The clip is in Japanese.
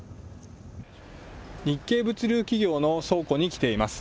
日系物流企業の倉庫に来ています。